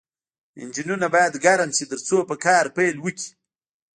انجنونه باید ګرم شي ترڅو په کار پیل وکړي